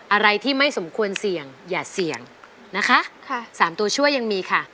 อะไรที่ไม่สมควรเสี่ยงอย่าเสี่ยงนะคะค่ะสามตัวช่วยยังมีค่ะ